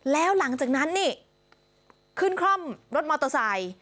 แล้วหลังจากนั้นนี่ขึ้นคล่อมรถมอเตอร์ไซค์